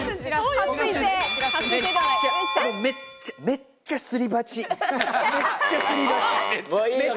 めっちゃすり鉢。